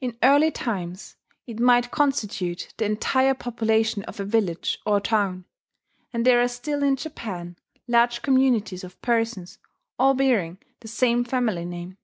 In early times it might constitute the entire population of a village or town; and there are still in Japan large communities of persons all bearing the same family name.